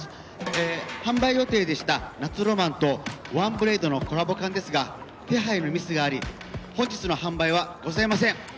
えー販売予定でした夏浪漫と『ワンブレイド』のコラボ缶ですが手配のミスがあり本日の販売はございません。